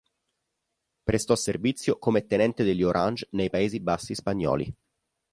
Prestò servizio come tenente degli Orange nei Paesi Bassi spagnoli.